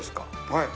はい。